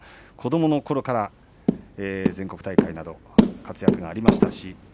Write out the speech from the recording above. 子どものころから全国大会での活躍がありました。